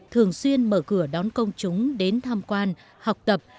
thường xuyên mở cửa đón công chúng đến tham quan học tập